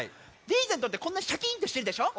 リーゼントってこんなシャキーンとしてるでしょ。